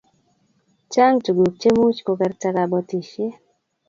Chang tukuk che moch kokerta kobotishe.